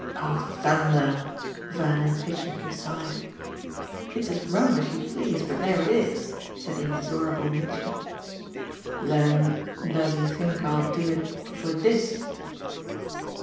"Oh thunder!" Van impatiently sighed. "It's as 'rum' as you please, but there it is," said the inexorable Mitchy. "Then does he think I'll do it for THIS?"